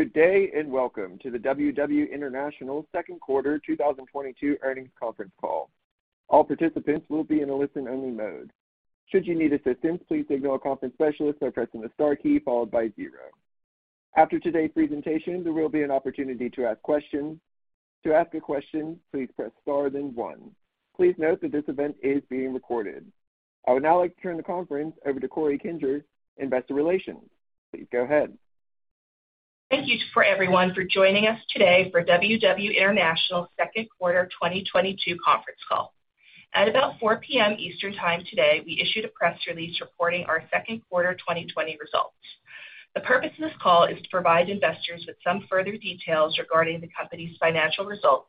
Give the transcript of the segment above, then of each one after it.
Good day, and welcome to the WW International second quarter 2022 earnings conference call. All participants will be in a listen-only mode. Should you need assistance, please signal a conference specialist by pressing the star key followed by zero. After today's presentation, there will be an opportunity to ask questions. To ask a question, please press star, then one. Please note that this event is being recorded. I would now like to turn the conference over to Corey Kinger, Investor Relations. Please go ahead. Thank you to everyone for joining us today for WW International's second quarter 2022 conference call. At about 4:00 P.M. Eastern Time today, we issued a press release reporting our second quarter 2020 results. The purpose of this call is to provide investors with some further details regarding the company's financial results,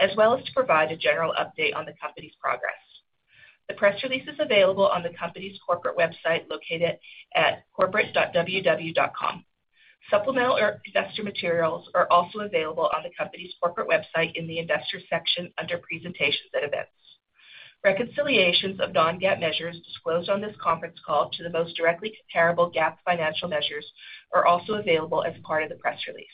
as well as to provide a general update on the company's progress. The press release is available on the company's corporate website, located at corporate.ww.com. Supplemental or investor materials are also available on the company's corporate website in the Investors section under Presentations and Events. Reconciliations of non-GAAP measures disclosed on this conference call to the most directly comparable GAAP financial measures are also available as part of the press release.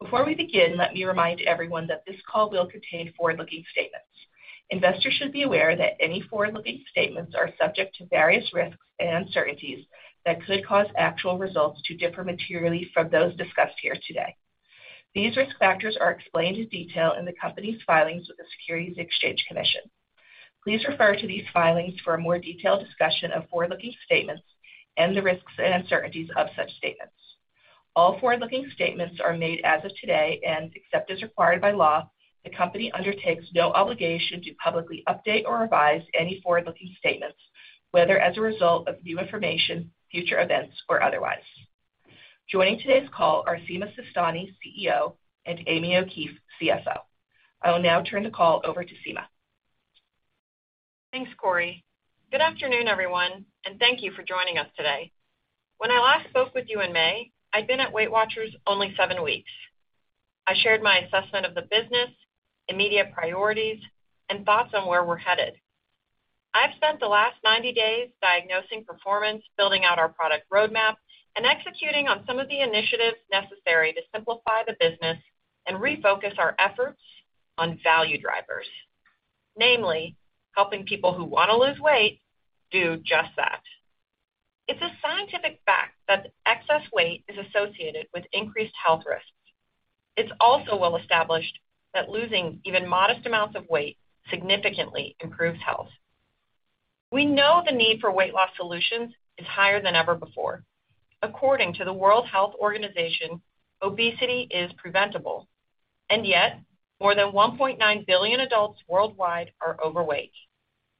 Before we begin, let me remind everyone that this call will contain forward-looking statements. Investors should be aware that any forward-looking statements are subject to various risks and uncertainties that could cause actual results to differ materially from those discussed here today. These risk factors are explained in detail in the company's filings with the Securities and Exchange Commission. Please refer to these filings for a more detailed discussion of forward-looking statements and the risks and uncertainties of such statements. All forward-looking statements are made as of today, and except as required by law, the company undertakes no obligation to publicly update or revise any forward-looking statements, whether as a result of new information, future events, or otherwise. Joining today's call are Sima Sistani, CEO, and Amy O'Keefe, CFO. I will now turn the call over to Sima. Thanks, Corey. Good afternoon, everyone, and thank you for joining us today. When I last spoke with you in May, I'd been at Weight Watchers only seven weeks. I shared my assessment of the business, immediate priorities, and thoughts on where we're headed. I've spent the last 90 days diagnosing performance, building out our product roadmap, and executing on some of the initiatives necessary to simplify the business and refocus our efforts on value drivers. Namely, helping people who wanna lose weight do just that. It's a scientific fact that excess weight is associated with increased health risks. It's also well established that losing even modest amounts of weight significantly improves health. We know the need for weight loss solutions is higher than ever before. According to the World Health Organization, obesity is preventable, and yet more than 1.9 billion adults worldwide are overweight.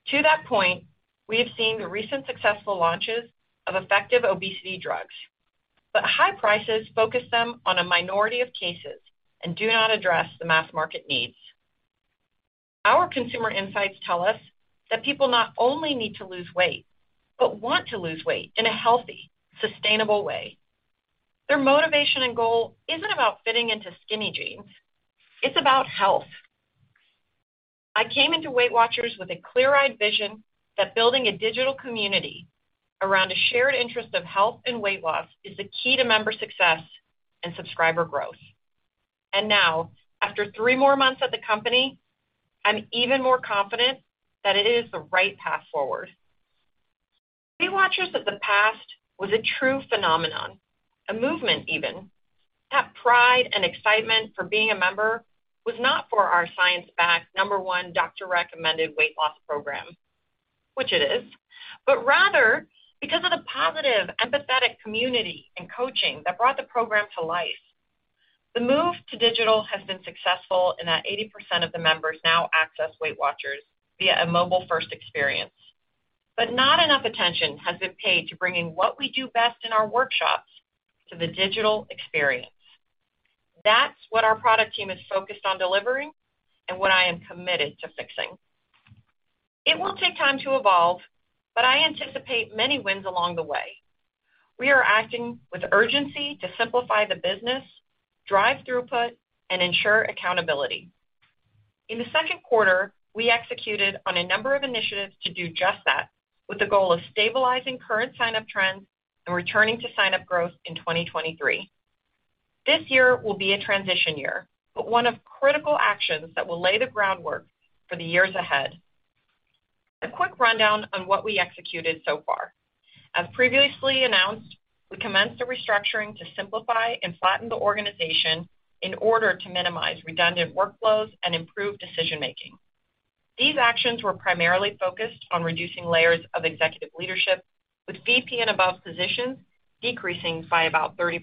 To that point, we have seen the recent successful launches of effective obesity drugs, but high prices focus them on a minority of cases and do not address the mass market needs. Our consumer insights tell us that people not only need to lose weight, but want to lose weight in a healthy, sustainable way. Their motivation and goal isn't about fitting into skinny jeans. It's about health. I came into Weight Watchers with a clear-eyed vision that building a digital community around a shared interest of health and weight loss is the key to member success and subscriber growth. Now, after three more months at the company, I'm even more confident that it is the right path forward. Weight Watchers of the past was a true phenomenon, a movement even. That pride and excitement for being a member was not for our science-backed, number one doctor-recommended weight loss program, which it is, but rather because of the positive, empathetic community and coaching that brought the program to life. The move to digital has been successful in that 80% of the members now access Weight Watchers via a mobile-first experience. Not enough attention has been paid to bringing what we do best in our workshops to the digital experience. That's what our product team is focused on delivering and what I am committed to fixing. It will take time to evolve, but I anticipate many wins along the way. We are acting with urgency to simplify the business, drive throughput, and ensure accountability. In the second quarter, we executed on a number of initiatives to do just that, with the goal of stabilizing current sign-up trends and returning to sign-up growth in 2023. This year will be a transition year, but one of critical actions that will lay the groundwork for the years ahead. A quick rundown on what we executed so far. As previously announced, we commenced a restructuring to simplify and flatten the organization in order to minimize redundant workflows and improve decision-making. These actions were primarily focused on reducing layers of executive leadership, with VP and above positions decreasing by about 30%.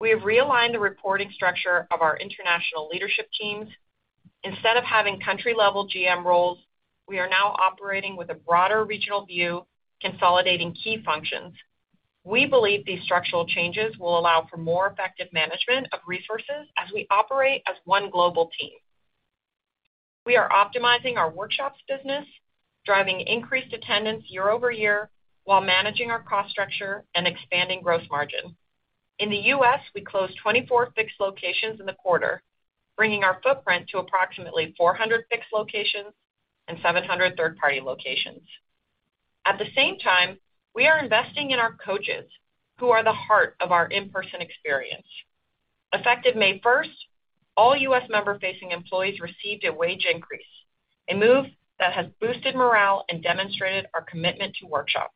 We have realigned the reporting structure of our international leadership teams. Instead of having country-level GM roles, we are now operating with a broader regional view, consolidating key functions. We believe these structural changes will allow for more effective management of resources as we operate as one global team. We are optimizing our workshops business, driving increased attendance year-over-year while managing our cost structure and expanding gross margin. In the U.S., we closed 24 fixed locations in the quarter, bringing our footprint to approximately 400 fixed locations and 700 third-party locations. At the same time, we are investing in our coaches who are the heart of our in-person experience. Effective May 1, all U.S. member-facing employees received a wage increase, a move that has boosted morale and demonstrated our commitment to workshops.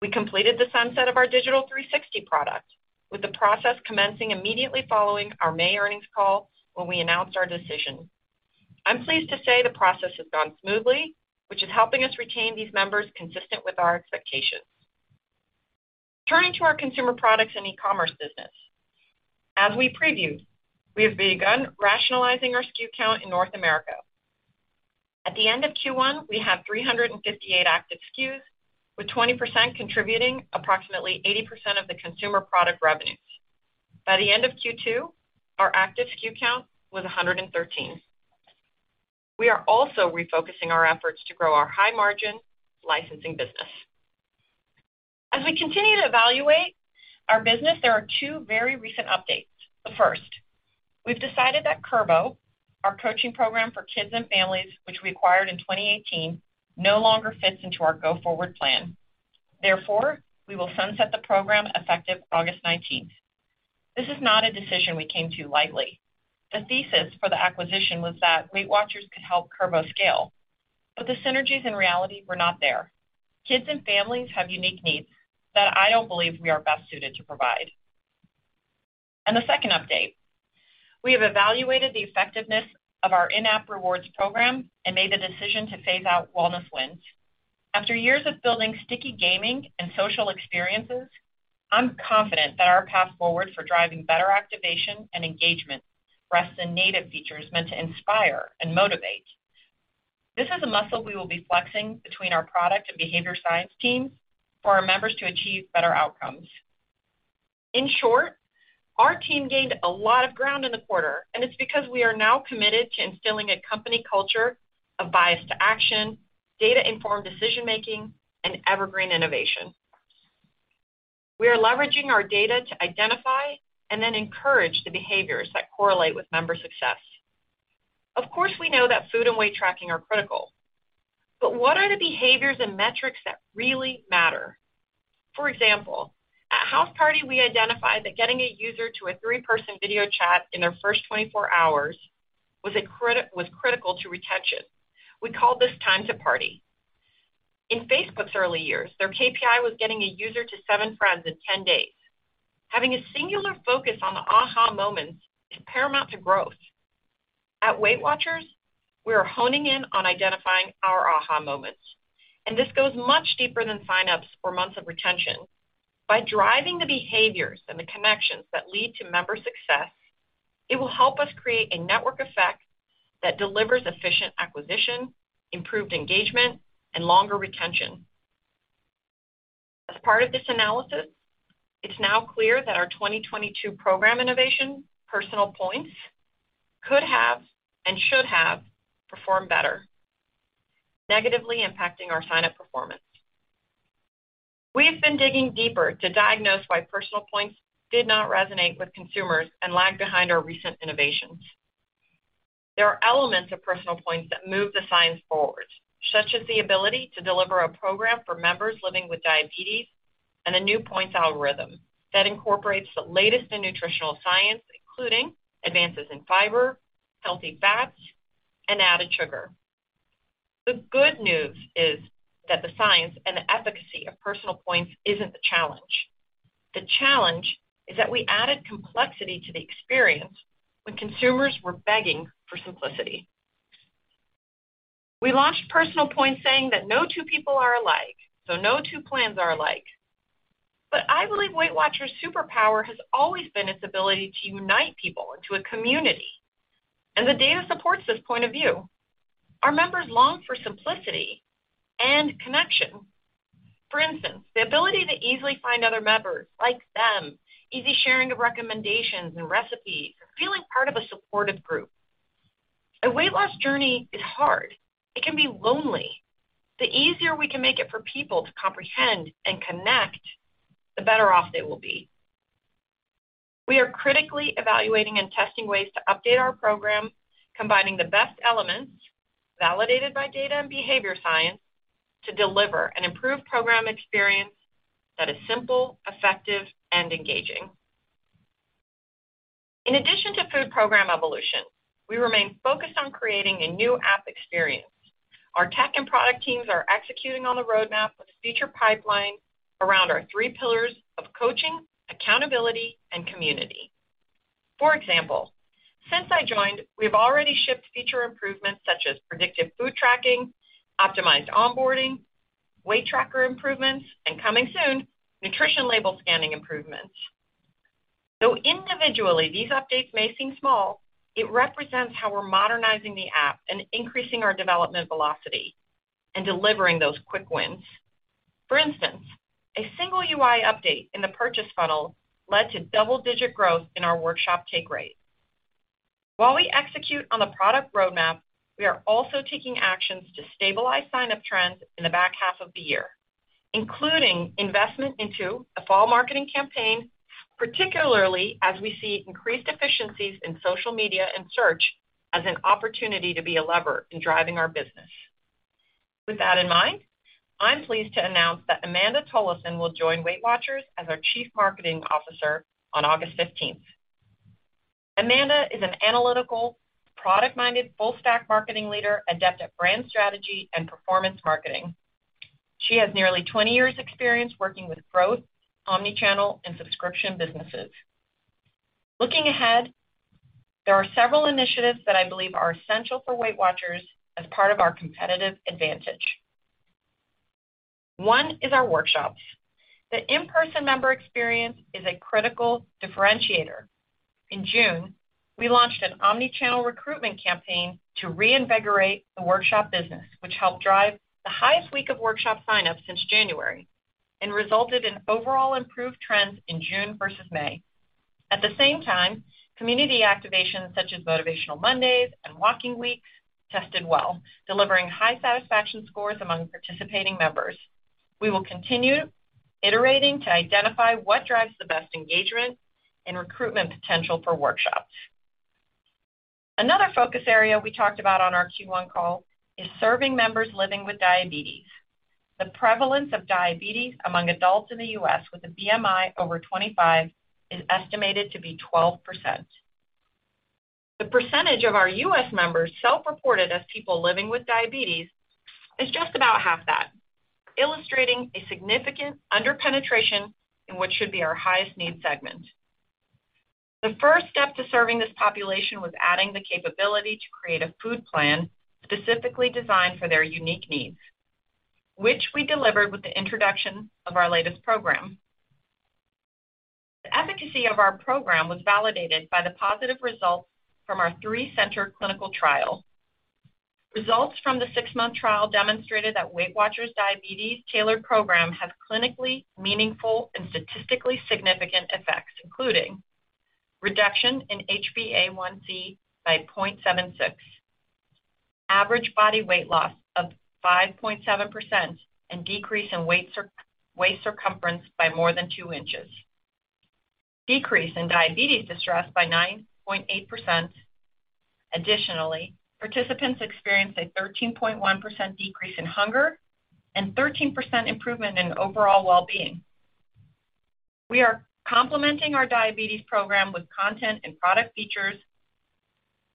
We completed the sunset of our Digital 360 product, with the process commencing immediately following our May earnings call when we announced our decision. I'm pleased to say the process has gone smoothly, which is helping us retain these members consistent with our expectations. Turning to our consumer products and e-commerce business. As we previewed, we have begun rationalizing our SKU count in North America. At the end of Q1, we have 358 active SKUs, with 20% contributing approximately 80% of the consumer product revenues. By the end of Q2, our active SKU count was 113. We are also refocusing our efforts to grow our high-margin licensing business. As we continue to evaluate our business, there are two very recent updates. The first, we've decided that Kurbo, our coaching program for kids and families, which we acquired in 2018, no longer fits into our go-forward plan. Therefore, we will sunset the program effective August 19th. This is not a decision we came to lightly. The thesis for the acquisition was that Weight Watchers could help Kurbo scale, but the synergies, in reality, were not there. Kids and families have unique needs that I don't believe we are best suited to provide. The second update, we have evaluated the effectiveness of our in-app rewards program and made the decision to phase out WellnessWins. After years of building sticky gaming and social experiences, I'm confident that our path forward for driving better activation and engagement rests in native features meant to inspire and motivate. This is a muscle we will be flexing between our product and behavior science teams for our members to achieve better outcomes. In short, our team gained a lot of ground in the quarter, and it's because we are now committed to instilling a company culture of bias to action, data-informed decision-making, and evergreen innovation. We are leveraging our data to identify and then encourage the behaviors that correlate with member success. Of course, we know that food and weight tracking are critical, but what are the behaviors and metrics that really matter? For example, at Houseparty, we identified that getting a user to a three-person video chat in their first 24 hours was critical to retention. We call this Time to Party. In Facebook's early years, their KPI was getting a user to seven friends in 10 days. Having a singular focus on the aha moments is paramount to growth. At Weight Watchers, we are honing in on identifying our aha moments, and this goes much deeper than sign-ups or months of retention. By driving the behaviors and the connections that lead to member success, it will help us create a network effect that delivers efficient acquisition, improved engagement, and longer retention. As part of this analysis, it's now clear that our 2022 program innovation, PersonalPoints, could have and should have performed better, negatively impacting our sign-up performance. We have been digging deeper to diagnose why PersonalPoints did not resonate with consumers and lag behind our recent innovations. There are elements of PersonalPoints that move the science forward, such as the ability to deliver a program for members living with diabetes and a new points algorithm that incorporates the latest in nutritional science, including advances in fiber, healthy fats, and added sugar. The good news is that the science and the efficacy of PersonalPoints isn't the challenge. The challenge is that we added complexity to the experience when consumers were begging for simplicity. We launched PersonalPoints saying that no two people are alike, so no two plans are alike. I believe Weight Watchers' superpower has always been its ability to unite people into a community, and the data supports this point of view. Our members long for simplicity and connection. For instance, the ability to easily find other members like them, easy sharing of recommendations and recipes, feeling part of a supportive group. A weight loss journey is hard. It can be lonely. The easier we can make it for people to comprehend and connect, the better off they will be. We are critically evaluating and testing ways to update our program, combining the best elements, validated by data and behavior science, to deliver an improved program experience that is simple, effective, and engaging. In addition to food program evolution, we remain focused on creating a new app experience. Our tech and product teams are executing on the roadmap with a feature pipeline around our three pillars of coaching, accountability, and community. For example, since I joined, we've already shipped feature improvements such as predictive food tracking, optimized onboarding, weight tracker improvements, and coming soon, nutrition label scanning improvements. Though individually, these updates may seem small, it represents how we're modernizing the app and increasing our development velocity and delivering those quick wins. For instance, a single UI update in the purchase funnel led to double-digit growth in our workshop take rate. While we execute on the product roadmap, we are also taking actions to stabilize sign-up trends in the back half of the year, including investment into a fall marketing campaign, particularly as we see increased efficiencies in social media and search as an opportunity to be a lever in driving our business. With that in mind, I'm pleased to announce that Amanda Tolleson will join Weight Watchers as our Chief Marketing Officer on August 15th. Amanda is an analytical, product-minded, full stack marketing leader, adept at brand strategy and performance marketing. She has nearly 20 years experience working with growth, omni-channel, and subscription businesses. Looking ahead, there are several initiatives that I believe are essential for Weight Watchers as part of our competitive advantage. One is our workshops. The in-person member experience is a critical differentiator. In June, we launched an omni-channel recruitment campaign to reinvigorate the workshop business, which helped drive the highest week of workshop sign-ups since January and resulted in overall improved trends in June versus May. At the same time, community activations such as Motivational Mondays and Walking Week tested well, delivering high satisfaction scores among participating members. We will continue iterating to identify what drives the best engagement and recruitment potential for workshops. Another focus area we talked about on our Q1 call is serving members living with diabetes. The prevalence of diabetes among adults in the U.S. with a BMI over 25 is estimated to be 12%. The percentage of our U.S. members self-reported as people living with diabetes is just about half that, illustrating a significant under-penetration in what should be our highest need segment. The first step to serving this population was adding the capability to create a food plan specifically designed for their unique needs, which we delivered with the introduction of our latest program. The efficacy of our program was validated by the positive results from our three-center clinical trial. Results from the six-month trial demonstrated that Weight Watchers diabetes-tailored program had clinically meaningful and statistically significant effects, including reduction in HbA1c by 0.76, average body weight loss of 5.7%, and decrease in waist circumference by more than 2 in. Decrease in diabetes distress by 9.8%. Additionally, participants experienced a 13.1% decrease in hunger and 13% improvement in overall wellbeing. We are complementing our diabetes program with content and product features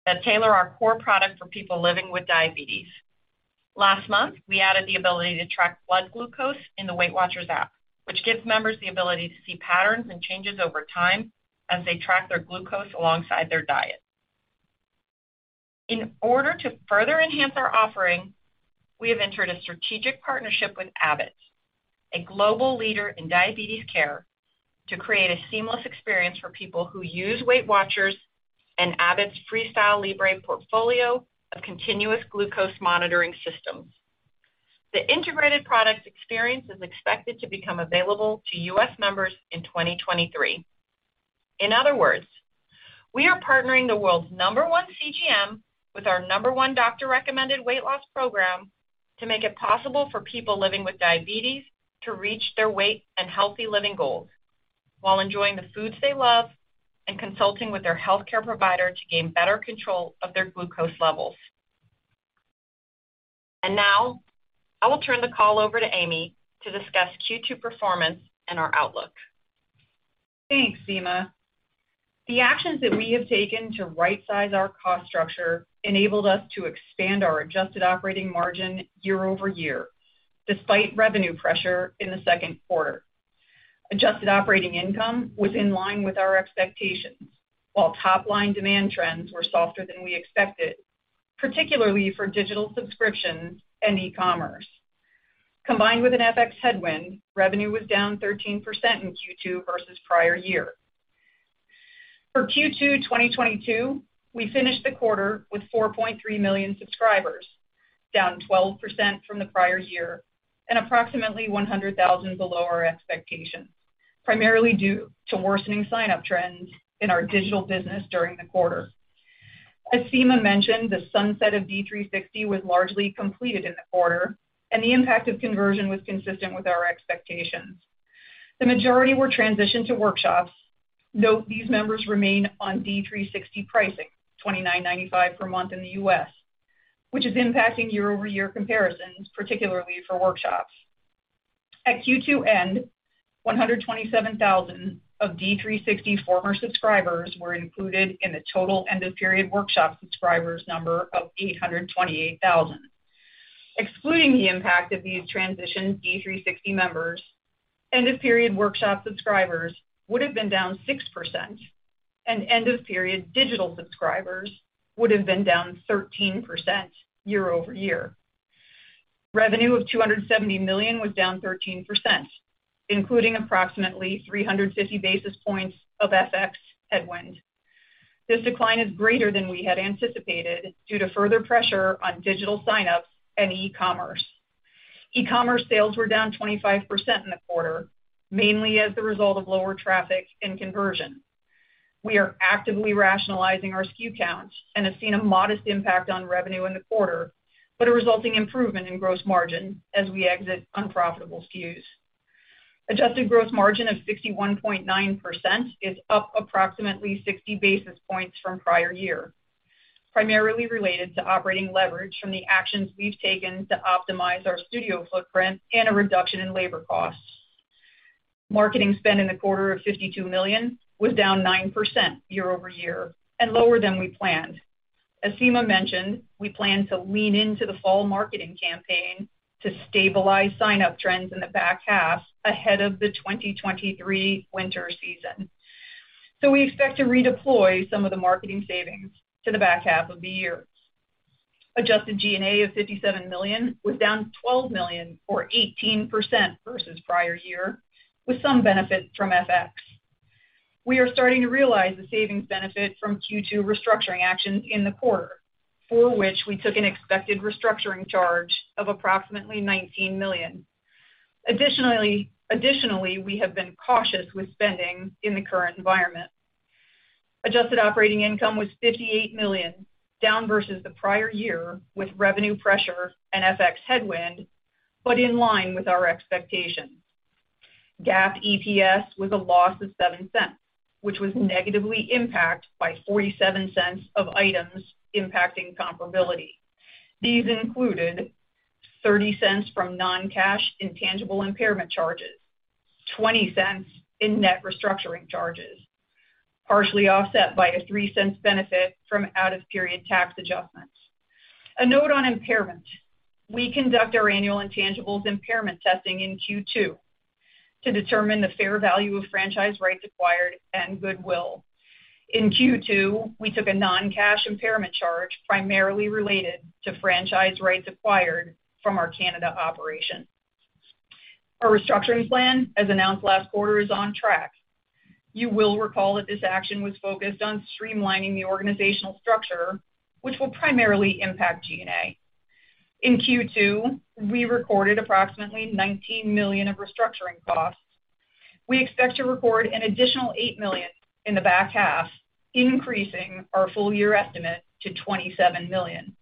that tailor our core product for people living with diabetes. Last month, we added the ability to track blood glucose in the Weight Watchers app, which gives members the ability to see patterns and changes over time as they track their glucose alongside their diet. In order to further enhance our offering, we have entered a strategic partnership with Abbott, a global leader in diabetes care, to create a seamless experience for people who use Weight Watchers and Abbott's FreeStyle Libre portfolio of continuous glucose monitoring systems. The integrated products experience is expected to become available to U.S. members in 2023. In other words, we are partnering the world's number one CGM with our number one doctor-recommended weight loss program to make it possible for people living with diabetes to reach their weight and healthy living goals while enjoying the foods they love and consulting with their healthcare provider to gain better control of their glucose levels. Now, I will turn the call over to Amy to discuss Q2 performance and our outlook. Thanks, Sima. The actions that we have taken to right-size our cost structure enabled us to expand our adjusted operating margin year-over-year, despite revenue pressure in the second quarter. Adjusted operating income was in line with our expectations, while top-line demand trends were softer than we expected, particularly for digital subscriptions and e-commerce. Combined with an FX headwind, revenue was down 13% in Q2 versus prior year. For Q2, 2022, we finished the quarter with 4.3 million subscribers, down 12% from the prior year and approximately 100,000 below our expectations, primarily due to worsening sign-up trends in our digital business during the quarter. As Sima mentioned, the sunset of D360 was largely completed in the quarter, and the impact of conversion was consistent with our expectations. The majority were transitioned to workshops, though these members remain on D360 pricing, $29.95 per month in the U.S., which is impacting year-over-year comparisons, particularly for workshops. At Q2 end, 127,000 of D360 former subscribers were included in the total end-of-period workshop subscribers number of 828,000. Excluding the impact of these transitioned D360 members, end-of-period workshop subscribers would have been down 6%, and end-of-period digital subscribers would have been down 13% year-over-year. Revenue of $270 million was down 13%, including approximately 350 basis points of FX headwind. This decline is greater than we had anticipated due to further pressure on digital sign-ups and e-commerce. E-commerce sales were down 25% in the quarter, mainly as a result of lower traffic and conversion. We are actively rationalizing our SKU count and have seen a modest impact on revenue in the quarter, but a resulting improvement in gross margin as we exit unprofitable SKUs. Adjusted gross margin of 61.9% is up approximately 60 basis points from prior year, primarily related to operating leverage from the actions we've taken to optimize our studio footprint and a reduction in labor costs. Marketing spend in the quarter of $52 million was down 9% year-over-year and lower than we planned. As Sima mentioned, we plan to lean into the fall marketing campaign to stabilize sign-up trends in the back half ahead of the 2023 winter season. We expect to redeploy some of the marketing savings to the back half of the year. Adjusted G&A of $57 million was down $12 million or 18% versus prior year, with some benefit from FX. We are starting to realize the savings benefit from Q2 restructuring actions in the quarter, for which we took an expected restructuring charge of approximately $19 million. Additionally, we have been cautious with spending in the current environment. Adjusted operating income was $58 million, down versus the prior year with revenue pressure and FX headwind, but in line with our expectations. GAAP EPS was a loss of $0.07, which was negatively impacted by $0.47 of items impacting comparability. These included $0.30 from non-cash intangible impairment charges, $0.20 in net restructuring charges, partially offset by a $0.03 benefit from out-of-period tax adjustments. A note on impairment. We conduct our annual intangibles impairment testing in Q2 to determine the fair value of franchise rights acquired and goodwill. In Q2, we took a non-cash impairment charge primarily related to franchise rights acquired from our Canada operation. Our restructuring plan, as announced last quarter, is on track. You will recall that this action was focused on streamlining the organizational structure, which will primarily impact G&A. In Q2, we recorded approximately $19 million of restructuring costs. We expect to record an additional $8 million in the back half, increasing our full-year estimate to $27 million.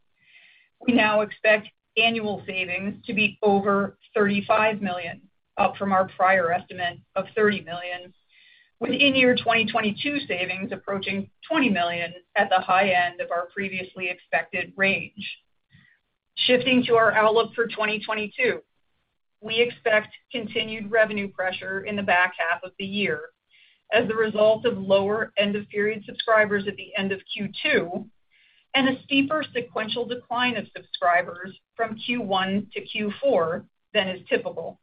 We now expect annual savings to be over $35 million, up from our prior estimate of $30 million, with in-year 2022 savings approaching $20 million at the high end of our previously expected range. Shifting to our outlook for 2022. We expect continued revenue pressure in the back half of the year as a result of lower end-of-period subscribers at the end of Q2 and a steeper sequential decline of subscribers from Q1 to Q4 than is typical.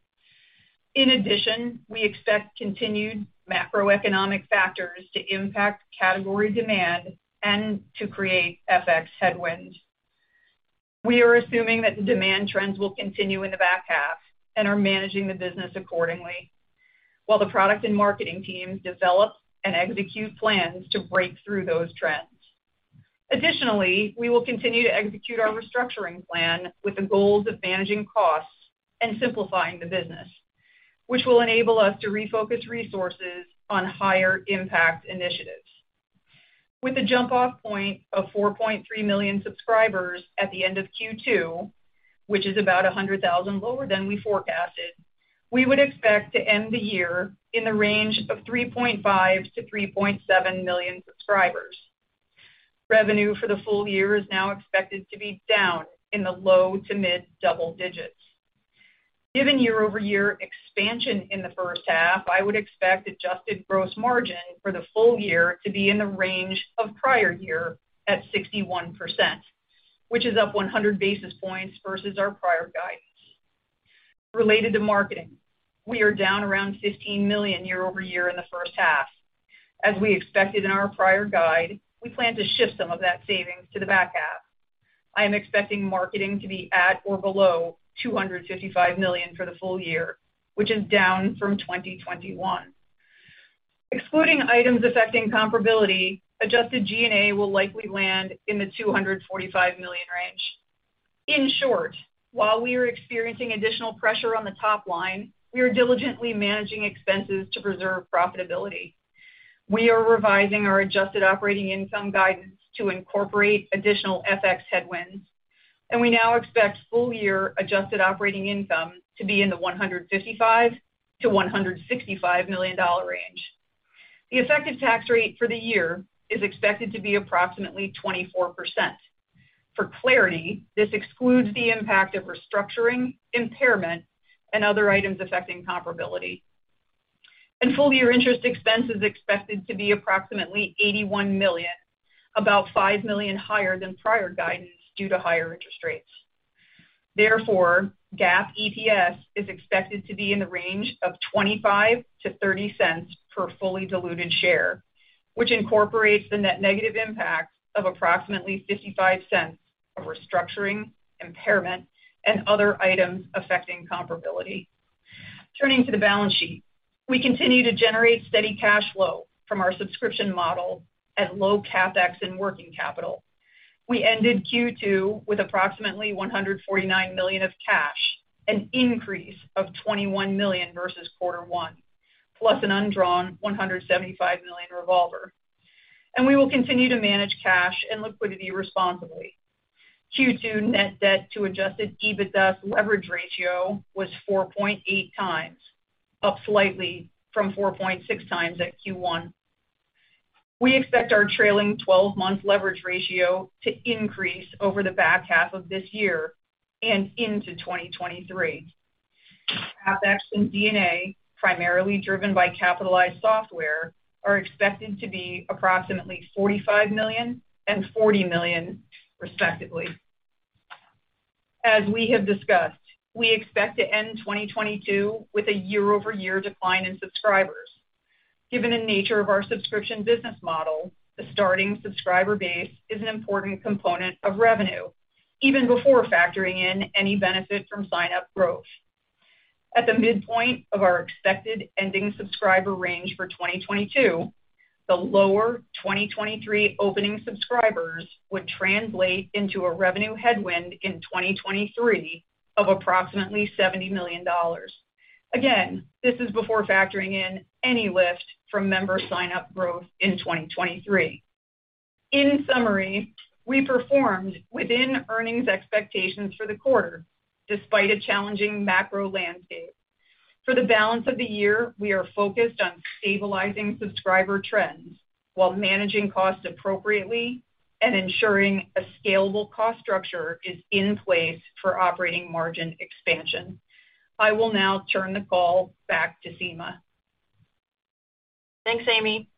In addition, we expect continued macroeconomic factors to impact category demand and to create FX headwinds. We are assuming that the demand trends will continue in the back half and are managing the business accordingly, while the product and marketing teams develop and execute plans to break through those trends. Additionally, we will continue to execute our restructuring plan with the goals of managing costs and simplifying the business, which will enable us to refocus resources on higher impact initiatives. With a jump-off point of 4.3 million subscribers at the end of Q2, which is about 100,000 lower than we forecasted, we would expect to end the year in the range of 3.5 million-3.7 million subscribers. Revenue for the full-year is now expected to be down in the low to mid double digits. Given year-over-year expansion in the first half, I would expect adjusted gross margin for the full-year to be in the range of prior year at 61%, which is up 100 basis points versus our prior guidance. Related to marketing, we are down around $15 million year over year in the first half. As we expected in our prior guide, we plan to shift some of that savings to the back half. I am expecting marketing to be at or below $255 million for the full-year, which is down from 2021. Excluding items affecting comparability, adjusted G&A will likely land in the $245 million range. In short, while we are experiencing additional pressure on the top line, we are diligently managing expenses to preserve profitability. We are revising our adjusted operating income guidance to incorporate additional FX headwinds, and we now expect full-year adjusted operating income to be in the $155 million-$165 million range. The effective tax rate for the year is expected to be approximately 24%. For clarity, this excludes the impact of restructuring, impairment, and other items affecting comparability. Full-year interest expense is expected to be approximately $81 million, about $5 million higher than prior guidance due to higher interest rates. Therefore, GAAP EPS is expected to be in the range of $0.25-$0.30 per fully diluted share, which incorporates the net negative impact of approximately $0.55 of restructuring, impairment, and other items affecting comparability. Turning to the balance sheet. We continue to generate steady cash flow from our subscription model at low CapEx and working capital. We ended Q2 with approximately $149 million of cash. An increase of $21 million versus quarter one, plus an undrawn $175 million revolver. We will continue to manage cash and liquidity responsibly. Q2 net debt to adjusted EBITDA leverage ratio was 4.8x, up slightly from 4.6x at Q1. We expect our trailing 12-month leverage ratio to increase over the back half of this year and into 2023. CapEx and D&A, primarily driven by capitalized software, are expected to be approximately $45 million and $40 million, respectively. As we have discussed, we expect to end 2022 with a year-over-year decline in subscribers. Given the nature of our subscription business model, the starting subscriber base is an important component of revenue, even before factoring in any benefit from sign-up growth. At the midpoint of our expected ending subscriber range for 2022, the lower 2023 opening subscribers would translate into a revenue headwind in 2023 of approximately $70 million. Again, this is before factoring in any lift from member sign-up growth in 2023. In summary, we performed within earnings expectations for the quarter, despite a challenging macro landscape. For the balance of the year, we are focused on stabilizing subscriber trends while managing costs appropriately and ensuring a scalable cost structure is in place for operating margin expansion. I will now turn the call back to Sima. Thanks, Amy.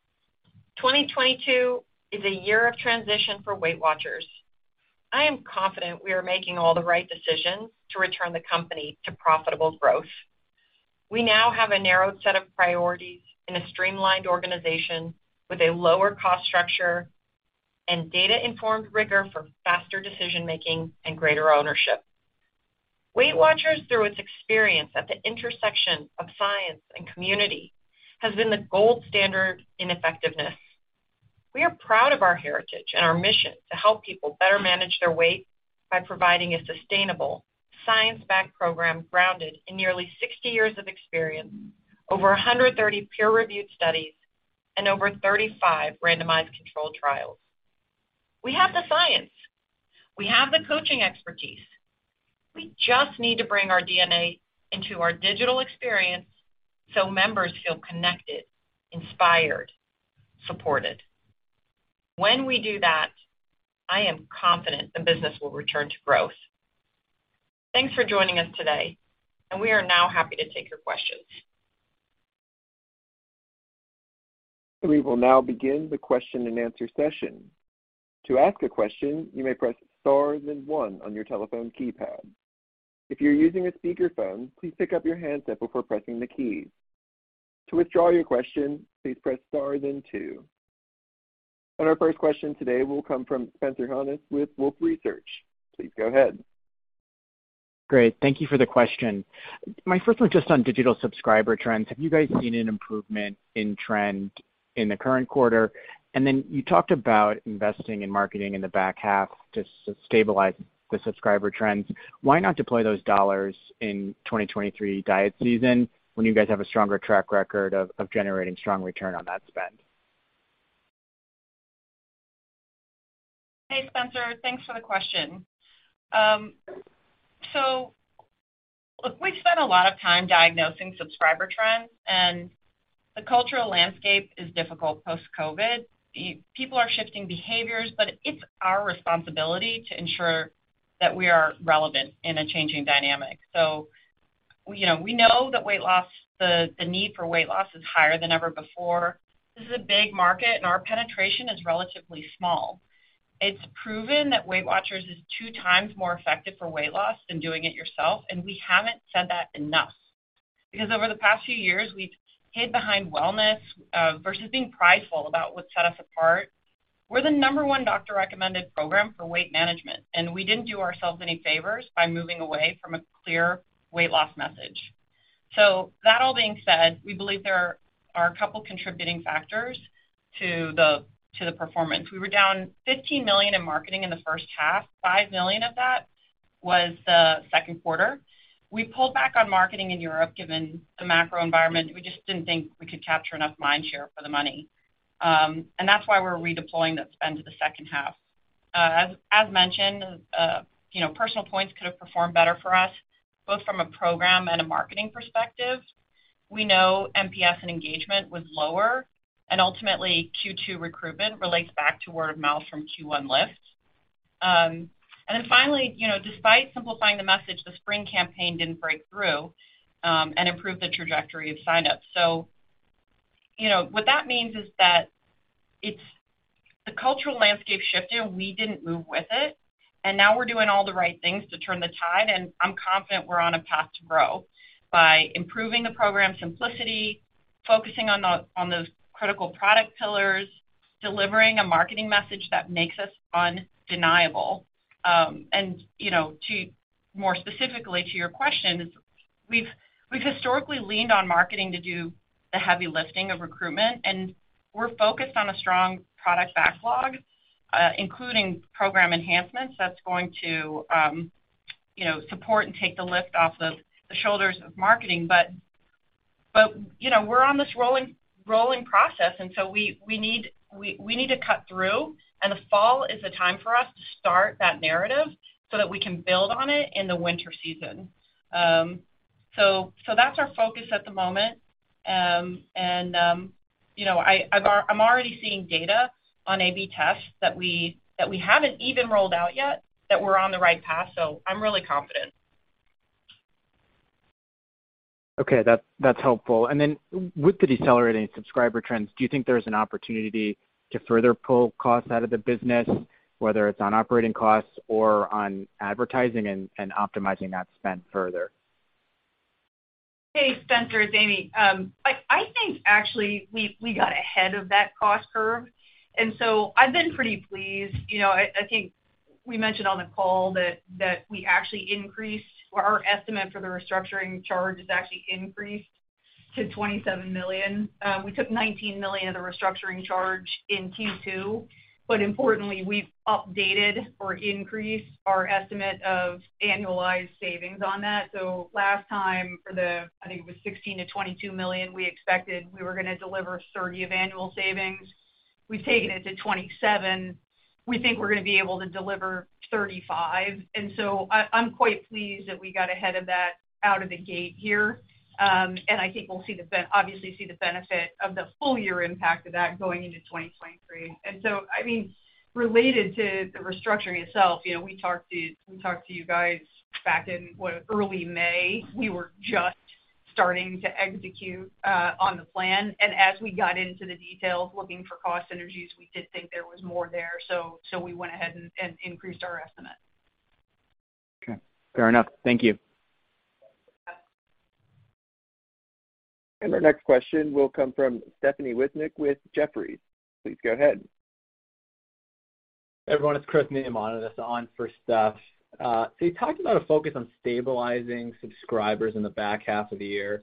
2022 is a year of transition for Weight Watchers. I am confident we are making all the right decisions to return the company to profitable growth. We now have a narrowed set of priorities in a streamlined organization with a lower cost structure and data-informed rigor for faster decision-making and greater ownership. Weight Watchers, through its experience at the intersection of science and community, has been the gold standard in effectiveness. We are proud of our heritage and our mission to help people better manage their weight by providing a sustainable science-backed program grounded in nearly 60 years of experience, over 130 peer-reviewed studies, and over 35 randomized controlled trials. We have the science, we have the coaching expertise, we just need to bring our D&A into our digital experience so members feel connected, inspired, supported. When we do that, I am confident the business will return to growth. Thanks for joining us today, and we are now happy to take your questions. We will now begin the question and answer session. To ask a question, you may press star then one on your telephone keypad. If you're using a speakerphone, please pick up your handset before pressing the keys. To withdraw your question, please press star then two. Our first question today will come from Spencer Hanus with Wolfe Research. Please go ahead. Great. Thank you for the question. My first one just on digital subscriber trends. Have you guys seen an improvement in trend in the current quarter? You talked about investing in marketing in the back half to stabilize the subscriber trends. Why not deploy those dollars in 2023 diet season when you guys have a stronger track record of generating strong return on that spend? Hey, Spencer. Thanks for the question. Look, we've spent a lot of time diagnosing subscriber trends, and the cultural landscape is difficult post-COVID. People are shifting behaviors, but it's our responsibility to ensure that we are relevant in a changing dynamic. You know, we know that weight loss, the need for weight loss is higher than ever before. This is a big market, and our penetration is relatively small. It's proven that Weight Watchers is two times more effective for weight loss than doing it yourself, and we haven't said that enough. Because over the past few years, we've hid behind wellness versus being prideful about what set us apart. We're the number one doctor-recommended program for weight management, and we didn't do ourselves any favors by moving away from a clear weight loss message. That all being said, we believe there are a couple contributing factors to the performance. We were down $15 million in marketing in the first half. $5 million of that was the second quarter. We pulled back on marketing in Europe, given the macro environment. We just didn't think we could capture enough mind share for the money. That's why we're redeploying that spend to the second half. As mentioned, you know, PersonalPoints could have performed better for us, both from a program and a marketing perspective. We know NPS and engagement was lower, and ultimately, Q2 recruitment relates back to word of mouth from Q1 lift. Then finally, you know, despite simplifying the message, the spring campaign didn't break through, and improve the trajectory of sign-ups. You know, what that means is that it's the cultural landscape shifted, and we didn't move with it, and now we're doing all the right things to turn the tide, and I'm confident we're on a path to grow by improving the program simplicity, focusing on those critical product pillars, delivering a marketing message that makes us undeniable. And you know, to more specifically to your question is that. We've historically leaned on marketing to do the heavy lifting of recruitment, and we're focused on a strong product backlog, including program enhancements that's going to you know, support and take the lift off the shoulders of marketing. You know, we're on this rolling process, and so we need to cut through, and the fall is the time for us to start that narrative so that we can build on it in the winter season. That's our focus at the moment. You know, I'm already seeing data on A/B tests that we haven't even rolled out yet, that we're on the right path, so I'm really confident. Okay. That's helpful. Then with the decelerating subscriber trends, do you think there's an opportunity to further pull costs out of the business, whether it's on operating costs or on advertising and optimizing that spend further? Hey, Spencer. It's Amy. I think actually we got ahead of that cost curve, and I've been pretty pleased. You know, I think we mentioned on the call that we actually increased or our estimate for the restructuring charge is actually increased to $27 million. We took $19 million of the restructuring charge in Q2. Importantly, we've updated or increased our estimate of annualized savings on that. Last time for the, I think it was $16 million-$22 million we expected, we were gonna deliver $30 million of annual savings. We've taken it to $27 million. We think we're gonna be able to deliver $35 million. I'm quite pleased that we got ahead of that out of the gate here. I think we'll see the benefit of the full-year impact of that going into 2023. I mean, related to the restructuring itself, you know, we talked to you guys back in, what, early May. We were just starting to execute on the plan. As we got into the details looking for cost synergies, we did think there was more there, so we went ahead and increased our estimate. Okay. Fair enough. Thank you. Our next question will come from Stephanie Wissink with Jefferies. Please go ahead. Everyone, it's Chris Neamonitis on for Steph. You talked about a focus on stabilizing subscribers in the back half of the year,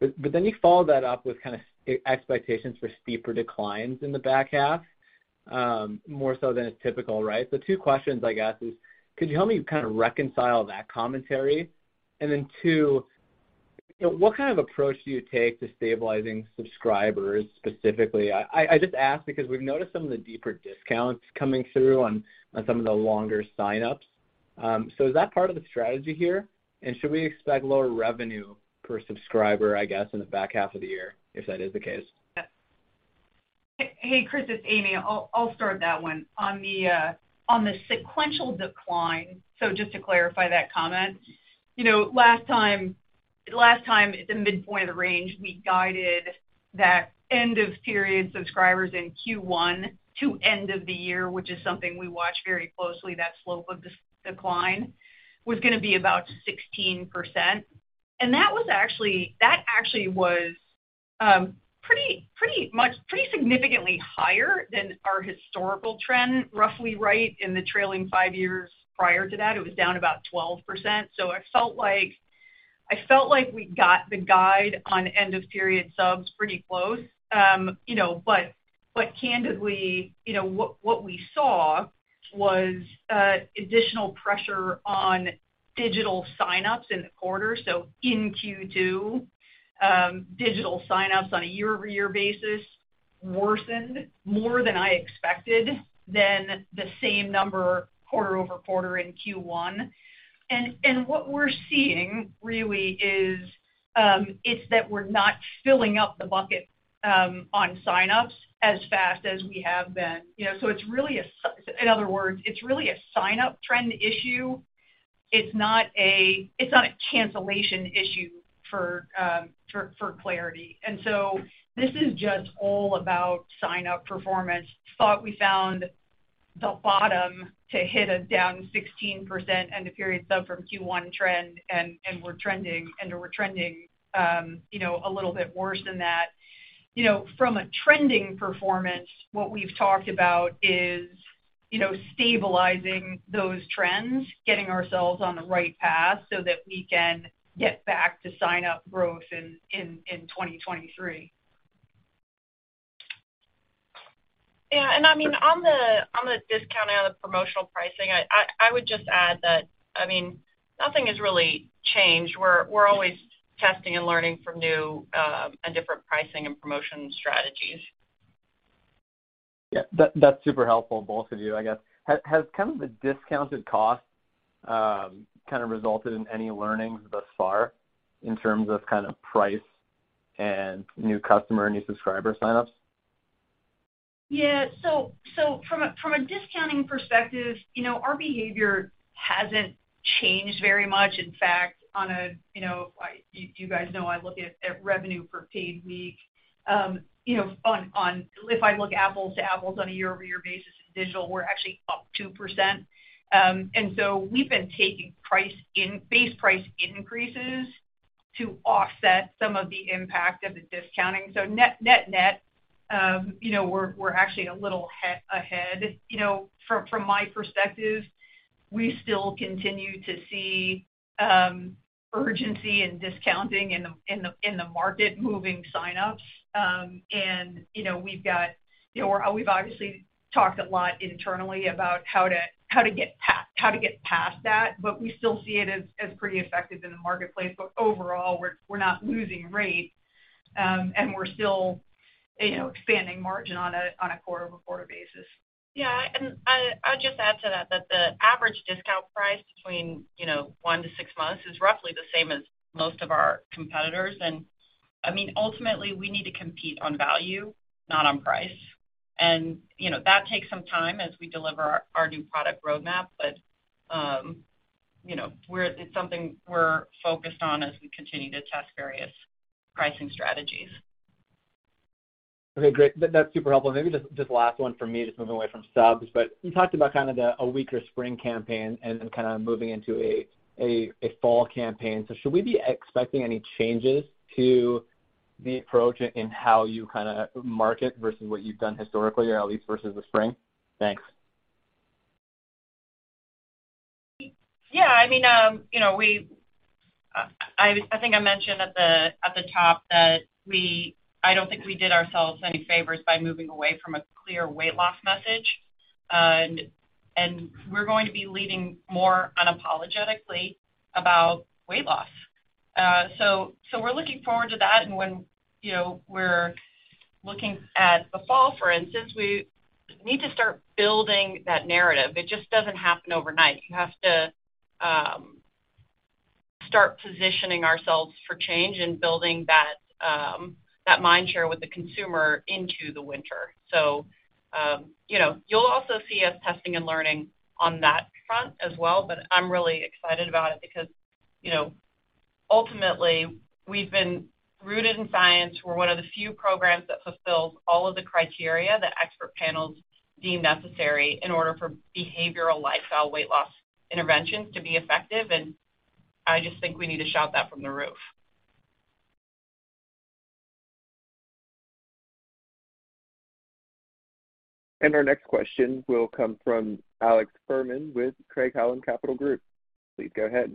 but then you followed that up with kind of expectations for steeper declines in the back half, more so than is typical, right? Two questions I guess is, could you help me kind of reconcile that commentary? Then two, what kind of approach do you take to stabilizing subscribers specifically? I just ask because we've noticed some of the deeper discounts coming through on some of the longer sign-ups. Is that part of the strategy here? Should we expect lower revenue per subscriber, I guess, in the back half of the year if that is the case? Hey, Chris, it's Amy. I'll start that one. On the sequential decline, just to clarify that comment. You know, last time at the midpoint of the range, we guided that end of period subscribers in Q1 to end of the year, which is something we watch very closely, that slope of decline, was gonna be about 16%. That actually was pretty much pretty significantly higher than our historical trend, roughly right in the trailing five years prior to that. It was down about 12%. I felt like we got the guide on end of period subs pretty close. You know, but candidly, you know, what we saw was additional pressure on digital sign-ups in the quarter. In Q2, digital sign-ups on a year-over-year basis worsened more than I expected than the same number quarter-over-quarter in Q1. What we're seeing really is, it's that we're not filling up the bucket on sign-ups as fast as we have been. You know, in other words, it's really a sign-up trend issue. It's not a cancellation issue for clarity. This is just all about sign-up performance. Thought we found the bottom to hit a down 16% end-of-period sub from Q1 trend, and we're trending a little bit worse than that. You know, from a trending performance, what we've talked about is, you know, stabilizing those trends, getting ourselves on the right path so that we can get back to sign-up growth in 2023. Yeah, I mean, on the discount and the promotional pricing, I would just add that, I mean, nothing has really changed. We're always testing and learning from new and different pricing and promotion strategies. Yeah. That's super helpful, both of you, I guess. Has kind of the discounted cost kind of resulted in any learnings thus far in terms of kind of price and new customer, new subscriber sign-ups? From a discounting perspective, you know, our behavior hasn't changed very much. In fact, you guys know I look at revenue per paid week. If I look apples to apples on a year-over-year basis in digital, we're actually up 2%. We've been taking base price increases to offset some of the impact of the discounting. Net, you know, we're actually a little ahead. You know, from my perspective, we still continue to see urgency and discounting in the market, moving signups. You know, we've got, you know, we've obviously talked a lot internally about how to get past that, but we still see it as pretty effective in the marketplace. Overall, we're not losing rate, and we're still, you know, expanding margin on a quarter-over-quarter basis. Yeah. I'll just add to that the average discount price between one to six months is roughly the same as most of our competitors. I mean, ultimately, we need to compete on value, not on price. You know, that takes some time as we deliver our new product roadmap. It's something we're focused on as we continue to test various pricing strategies. Okay, great. That, that's super helpful. Maybe just last one from me, just moving away from subs. You talked about kind of a weaker spring campaign and then kind of moving into a fall campaign. Should we be expecting any changes to the approach in how you kind of market versus what you've done historically or at least versus the spring? Thanks. Yeah. I mean, you know, I think I mentioned at the top that I don't think we did ourselves any favors by moving away from a clear weight loss message. We're going to be leading more unapologetically about weight loss. We're looking forward to that. When we're looking at the fall, for instance, we need to start building that narrative. It just doesn't happen overnight. We have to start positioning ourselves for change and building that mind share with the consumer into the winter. You know, you'll also see us testing and learning on that front as well, but I'm really excited about it because, you know, ultimately, we've been rooted in science. We're one of the few programs that fulfills all of the criteria that expert panels deem necessary in order for behavioral lifestyle weight loss interventions to be effective. I just think we need to shout that from the roof. Our next question will come from Alex Fuhrman with Craig-Hallum Capital Group. Please go ahead.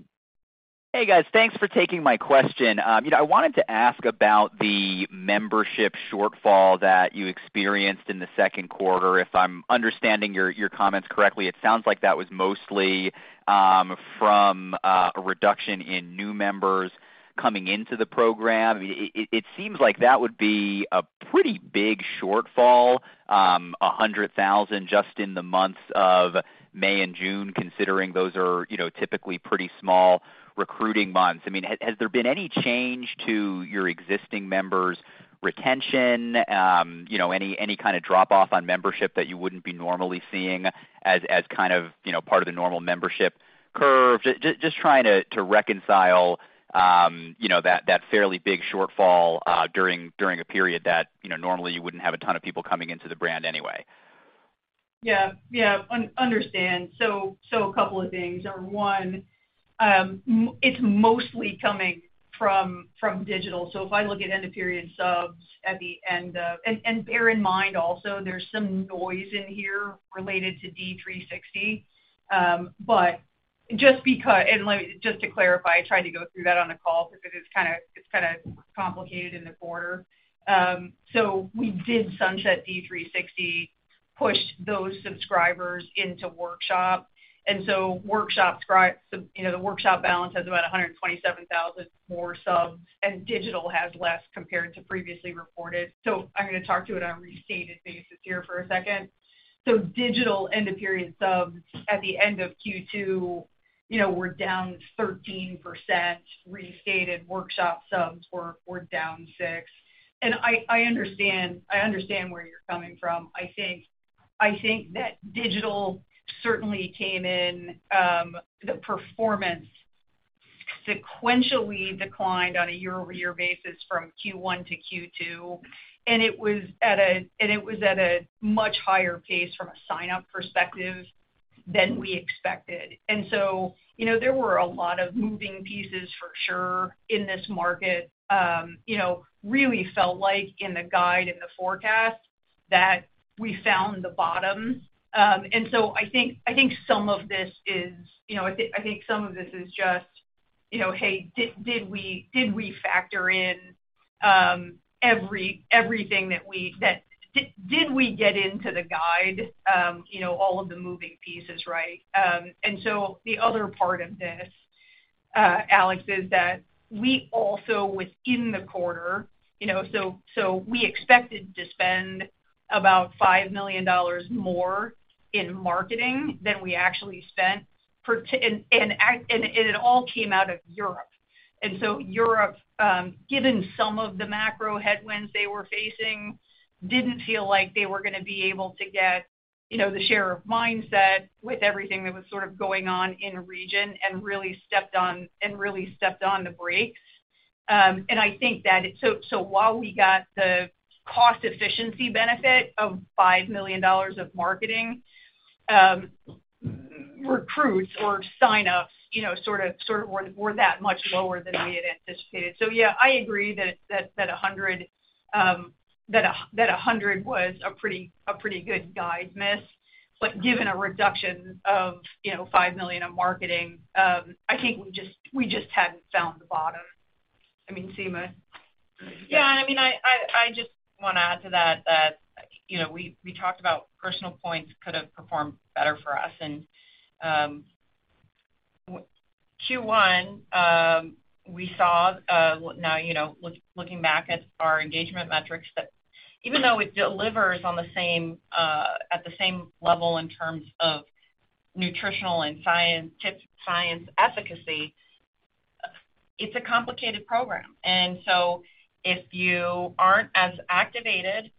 Hey, guys. Thanks for taking my question. You know, I wanted to ask about the membership shortfall that you experienced in the second quarter. If I'm understanding your comments correctly, it sounds like that was mostly from a reduction in new members coming into the program. It seems like that would be a pretty big shortfall, 100,000 just in the months of May and June, considering those are, you know, typically pretty small recruiting months. I mean, has there been any change to your existing members' retention, you know, any kind of drop off on membership that you wouldn't be normally seeing as kind of, you know, part of the normal membership curve? Just trying to reconcile, you know, that fairly big shortfall during a period that, you know, normally you wouldn't have a ton of people coming into the brand anyway. Understand. A couple of things. One, it's mostly coming from Digital. If I look at end-of-period subs at the end of Q2, bear in mind also, there's some noise in here related to D360. To clarify, I tried to go through that on the call because it is kinda complicated in the quarter. We did sunset D360, pushed those subscribers into Workshop, and so the Workshop balance has about 127,000 more subs, and Digital has less compared to previously reported. I'm gonna talk about it on restated basis here for a second. Digital end-of-period subs at the end of Q2, you know, were down 13%, restated Workshop subs were down 6%. I understand where you're coming from. I think that digital certainly came in, the performance sequentially declined on a year-over-year basis from Q1 to Q2, and it was at a much higher pace from a sign-up perspective than we expected. You know, there were a lot of moving pieces for sure in this market, you know, really felt like in the guide and the forecast that we found the bottom. I think some of this is just, you know, hey, did we factor in everything that we did we get into the guide, you know, all of the moving pieces, right? The other part of this, Alex, is that we also within the quarter, you know, so we expected to spend about $5 million more in marketing than we actually spent. It all came out of Europe. Europe, given some of the macro headwinds they were facing, didn't feel like they were gonna be able to get, you know, the share of mind with everything that was sort of going on in the region and really stepped on the brakes. I think that while we got the cost efficiency benefit of $5 million of marketing, recruits or signups, you know, sort of were that much lower than we had anticipated. Yeah, I agree that 100 was a pretty good guidance. Given a reduction of, you know, $5 million in marketing, I think we just hadn't found the bottom. I mean, Sima? Yeah, I mean, I just wanna add to that, you know, we talked about PersonalPoints could have performed better for us. In Q1, we saw. We now, you know, looking back at our engagement metrics that even though it delivers on the same at the same level in terms of nutritional and scientific tips, scientific efficacy, it's a complicated program. If you aren't as activated,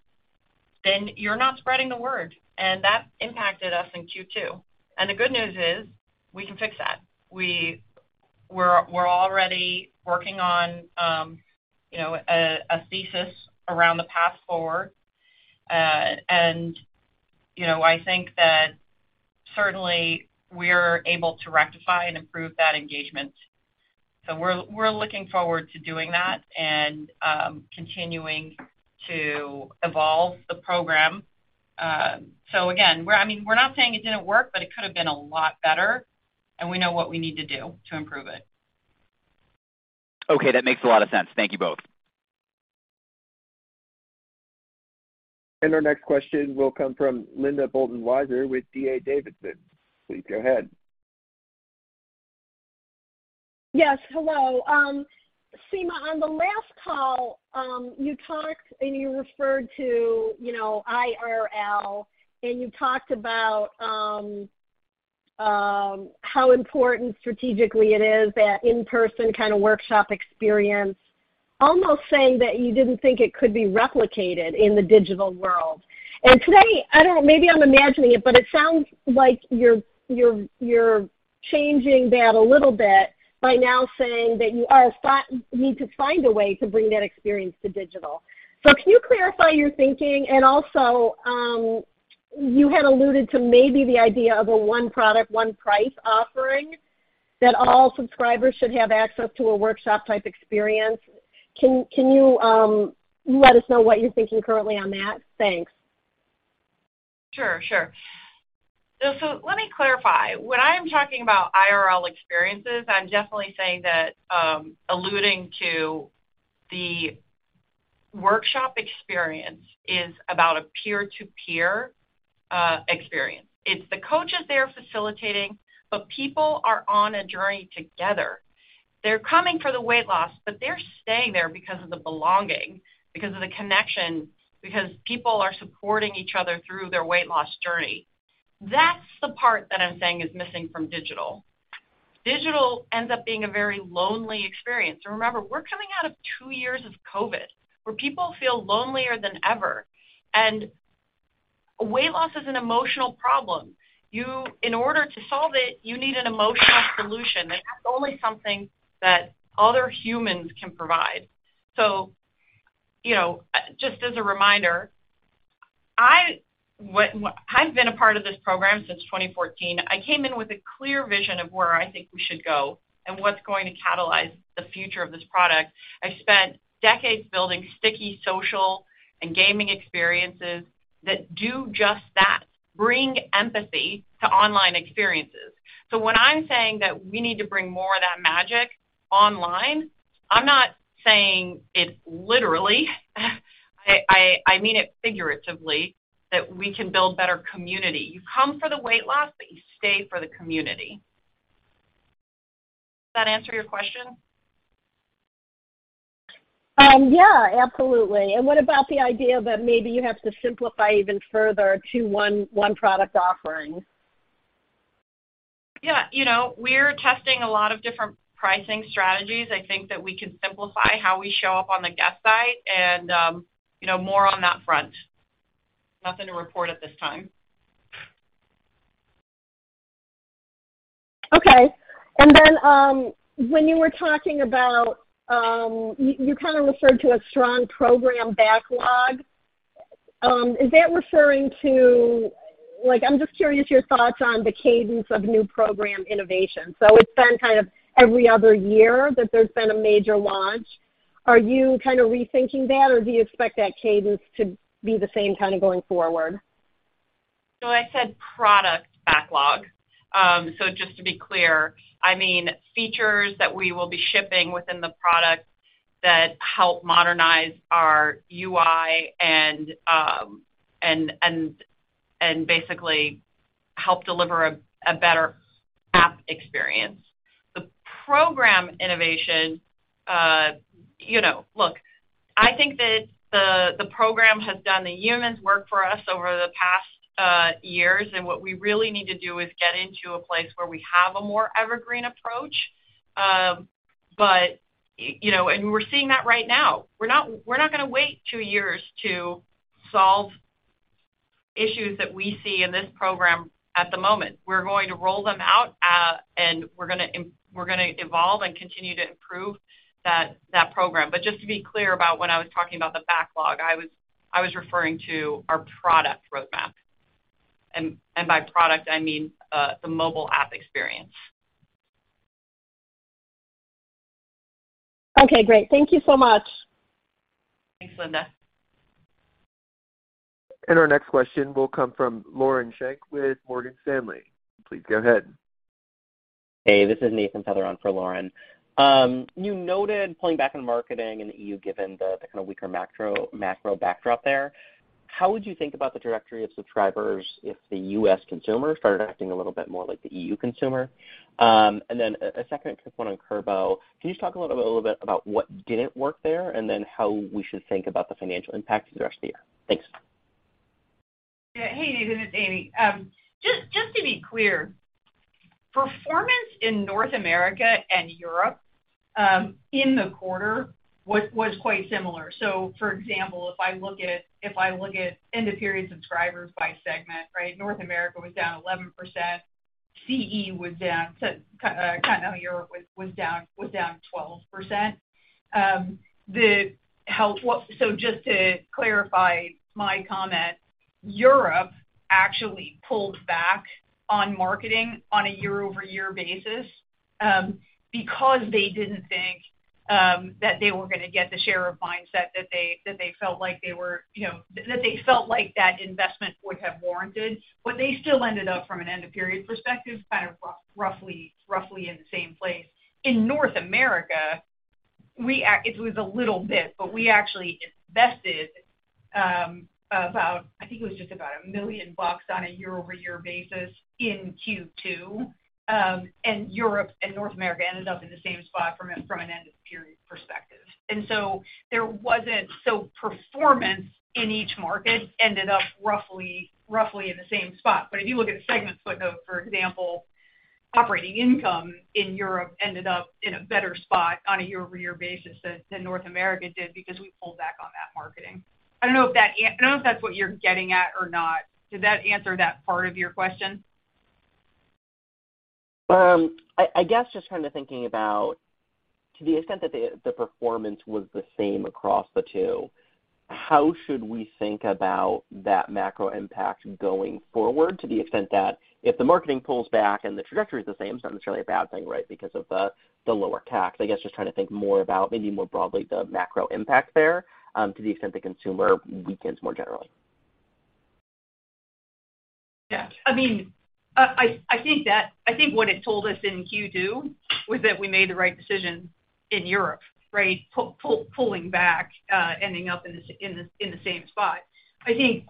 then you're not spreading the word, and that impacted us in Q2. The good news is we can fix that. We're already working on, you know, a thesis around the path forward. I think that certainly we're able to rectify and improve that engagement. We're looking forward to doing that and continuing to evolve the program. Again, we're, I mean, we're not saying it didn't work, but it could have been a lot better, and we know what we need to do to improve it. Okay, that makes a lot of sense. Thank you both. Our next question will come from Linda Bolton Weiser with D.A. Davidson. Please go ahead. Yes, hello. Sima, on the last call, you talked and you referred to, you know, IRL, and you talked about how important strategically it is, that in-person kind of workshop experience, almost saying that you didn't think it could be replicated in the digital world. Today, I don't know, maybe I'm imagining it, but it sounds like you're changing that a little bit by now saying that you need to find a way to bring that experience to digital. Can you clarify your thinking? Also, you had alluded to maybe the idea of a one product, one price offering that all subscribers should have access to a workshop type experience. Can you let us know what you're thinking currently on that? Thanks. Sure. Let me clarify. When I am talking about IRL experiences, I'm definitely saying that alluding to the workshop experience is about a peer-to-peer experience. It's the coaches there facilitating, but people are on a journey together. They're coming for the weight loss, but they're staying there because of the belonging, because of the connection, because people are supporting each other through their weight loss journey. That's the part that I'm saying is missing from digital. Digital ends up being a very lonely experience. Remember, we're coming out of two years of COVID, where people feel lonelier than ever. Weight loss is an emotional problem. In order to solve it, you need an emotional solution, and that's only something that other humans can provide. You know, just as a reminder, I've been a part of this program since 2014. I came in with a clear vision of where I think we should go and what's going to catalyze the future of this product. I spent decades building sticky social and gaming experiences that do just that, bring empathy to online experiences. When I'm saying that we need to bring more of that magic online, I'm not saying it literally. I mean it figuratively that we can build better community. You come for the weight loss, but you stay for the community. Does that answer your question? Yeah, absolutely. What about the idea that maybe you have to simplify even further to one product offering? Yeah, you know, we're testing a lot of different pricing strategies. I think that we can simplify how we show up on the guest side and, you know, more on that front. Nothing to report at this time. Okay. When you were talking about, you kinda referred to a strong program backlog. Is that referring to like, I'm just curious your thoughts on the cadence of new program innovation. It's been kind of every other year that there's been a major launch. Are you kinda rethinking that, or do you expect that cadence to be the same kinda going forward? I said product backlog. Just to be clear, I mean features that we will be shipping within the product that help modernize our UI and basically help deliver a better app experience. The program innovation, you know, look, I think that the program has done a yeoman's work for us over the past years, and what we really need to do is get into a place where we have a more evergreen approach. You know, we're seeing that right now. We're not gonna wait two years to solve issues that we see in this program at the moment. We're going to roll them out. We're gonna evolve and continue to improve that program. Just to be clear about when I was talking about the backlog, I was referring to our product roadmap. By product, I mean the mobile app experience. Okay, great. Thank you so much. Thanks, Linda. Our next question will come from Lauren Schenk with Morgan Stanley. Please go ahead. Hey, this is Nathan Feather for Lauren. You noted pulling back on marketing in the EU, given the kinda weaker macro backdrop there. How would you think about the trajectory of subscribers if the U.S. consumer started acting a little bit more like the EU consumer? Then a second quick one on Kurbo. Can you just talk a little bit about what didn't work there, and then how we should think about the financial impact through the rest of the year? Thanks. Yeah. Hey, Nathan, it's Amy. Just to be clear, performance in North America and Europe in the quarter was quite similar. For example, if I look at end-of-period subscribers by segment, right? North America was down 11%. Continental Europe was down 12%. Just to clarify my comment, Europe actually pulled back on marketing on a year-over-year basis, because they didn't think that they were gonna get the share of mindset that they felt like they were, you know, that they felt like that investment would have warranted. They still ended up, from an end-of-period perspective, kind of roughly in the same place. It was a little bit, but we actually invested about. I think it was just about $1 million on a year-over-year basis in Q2. Europe and North America ended up in the same spot from an end-of-period perspective. Performance in each market ended up roughly in the same spot. If you look at a segment split, though, for example, operating income in Europe ended up in a better spot on a year-over-year basis than North America did because we pulled back on that marketing. I don't know if that's what you're getting at or not. Did that answer that part of your question? I guess just kinda thinking about to the extent that the performance was the same across the two, how should we think about that macro impact going forward? To the extent that if the marketing pulls back and the trajectory is the same, it's not necessarily a bad thing, right, because of the lower tax. I guess just trying to think more about maybe more broadly the macro impact there, to the extent the consumer weakens more generally. Yeah. I mean, I think what it told us in Q2 was that we made the right decision in Europe, right? Pulling back, ending up in the same spot. I think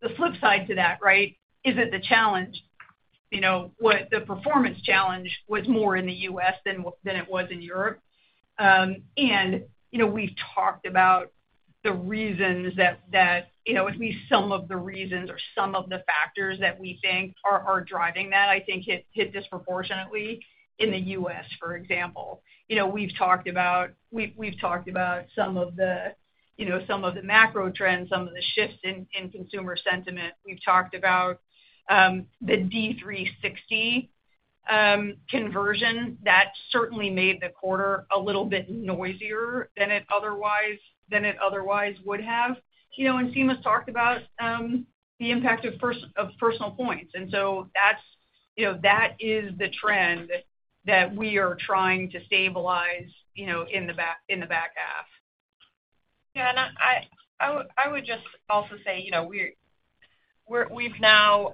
the flip side to that, right, is that the challenge, you know, what the performance challenge was more in the U.S. than it was in Europe. You know, we've talked about the reasons that you know, at least some of the reasons or some of the factors that we think are driving that I think hit disproportionately in the U.S., for example. You know, we've talked about some of the, you know, some of the macro trends, some of the shifts in consumer sentiment. We've talked about the D360 conversion that certainly made the quarter a little bit noisier than it otherwise would have. You know, Sima's talked about the impact of PersonalPoints. That's the trend that we are trying to stabilize in the back half. Yeah. I would just also say, you know, we've now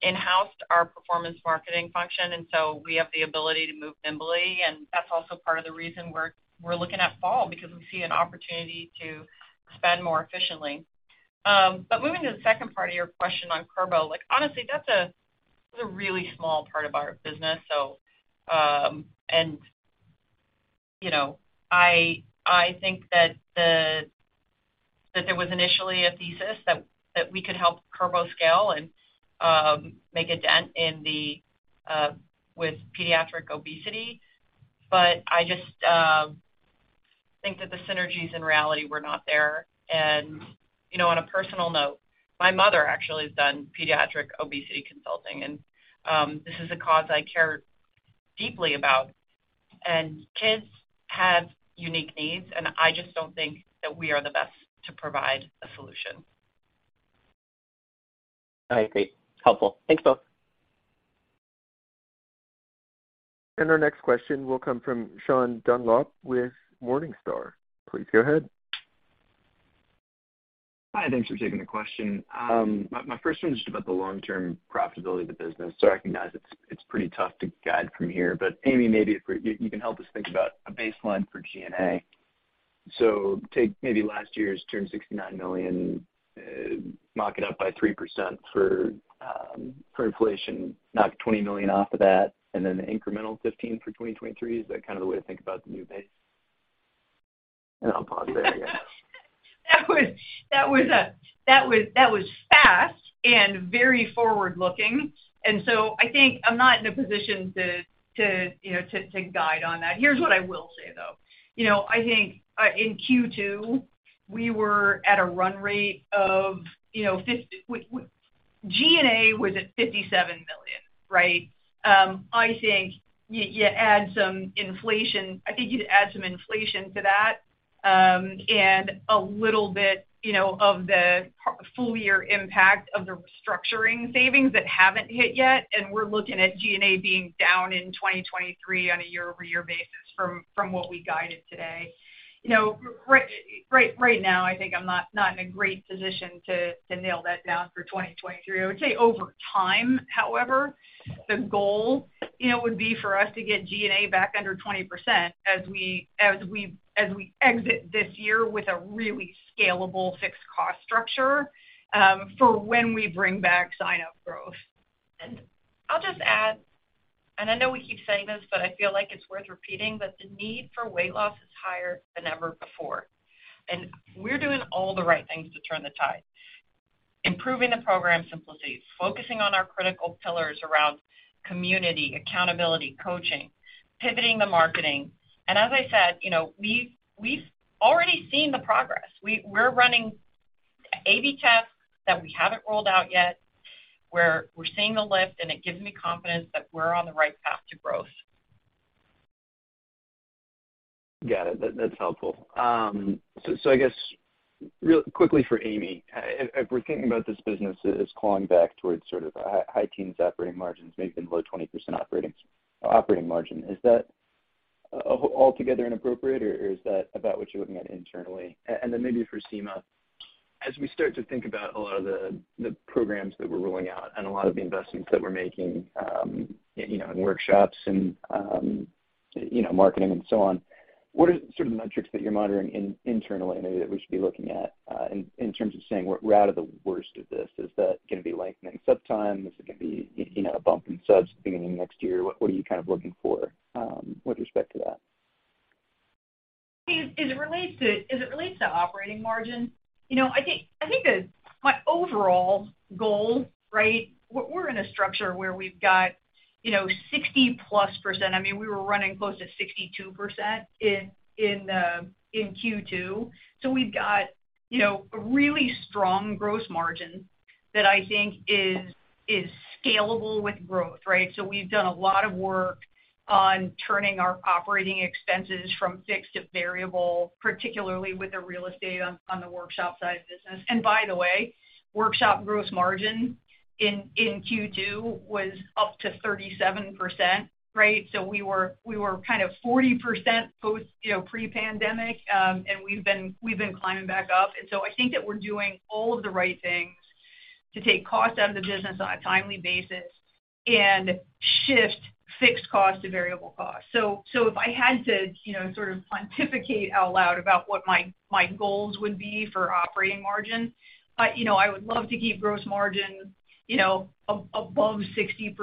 in-housed our performance marketing function, and so we have the ability to move nimbly, and that's also part of the reason we're looking at fall because we see an opportunity to spend more efficiently. Moving to the second part of your question on Kurbo, like, honestly, that's a really small part of our business. You know, I think that there was initially a thesis that we could help Kurbo scale and make a dent in pediatric obesity. I just think that the synergies in reality were not there. You know, on a personal note, my mother actually has done pediatric obesity consulting, and this is a cause I care deeply about. Kids have unique needs, and I just don't think that we are the best to provide a solution. All right, great. Helpful. Thanks, both. Our next question will come from Sean Dunlop with Morningstar. Please go ahead. Hi, thanks for taking the question. My first one is just about the long-term profitability of the business. I recognize it's pretty tough to guide from here, but Amy, maybe if you can help us think about a baseline for G&A. Take maybe last year's G&A $69 million, mark it up by 3% for inflation, knock $20 million off of that, and then the incremental $15 million for 2023. Is that kind of the way to think about the new base? I'll pause there, yeah. That was fast and very forward-looking. I think I'm not in a position to guide on that. Here's what I will say, though. You know, I think in Q2, we were at a run rate of, you know, G&A was at $57 million, right? I think you add some inflation to that, and a little bit, you know, of the full-year impact of the restructuring savings that haven't hit yet, and we're looking at G&A being down in 2023 on a year-over-year basis from what we guided today. You know, right now, I think I'm not in a great position to nail that down for 2023. I would say over time, however, the goal, you know, would be for us to get G&A back under 20% as we exit this year with a really scalable fixed cost structure for when we bring back sign-up growth. I'll just add, and I know we keep saying this, but I feel like it's worth repeating, that the need for weight loss is higher than ever before. We're doing all the right things to turn the tide. Improving the program simplicity, focusing on our critical pillars around community, accountability, coaching, pivoting the marketing. As I said, you know, we've already seen the progress. We're running A/B tests that we haven't rolled out yet, where we're seeing the lift, and it gives me confidence that we're on the right path to growth. Got it. That's helpful. I guess really quickly for Amy. If we're thinking about this business as clawing back towards sort of high teens operating margins, maybe even below 20% operating margin, is that altogether inappropriate, or is that about what you're looking at internally? Maybe for Sima, as we start to think about a lot of the programs that we're rolling out and a lot of the investments that we're making, you know, in workshops and, you know, marketing and so on, what are sort of the metrics that you're monitoring internally maybe that we should be looking at, in terms of saying we're out of the worst of this? Is that gonna be lengthening sub times? Is it gonna be, you know, a bump in subs beginning next year? What are you kind of looking for, with respect to that? As it relates to operating margin, you know, I think my overall goal, right. We're in a structure where we've got, you know, 60%+. I mean, we were running close to 62% in Q2. We've got, you know, a really strong gross margin that I think is scalable with growth, right. We've done a lot of work on turning our operating expenses from fixed to variable, particularly with the real estate on the workshop side business. By the way, workshop gross margin in Q2 was up to 37%, right. We were kind of 40% pre-pandemic, you know, and we've been climbing back up. I think that we're doing all of the right things to take costs out of the business on a timely basis and shift fixed cost to variable cost. If I had to, you know, sort of pontificate out loud about what my goals would be for operating margin, you know, I would love to keep gross margin, you know, above 60%.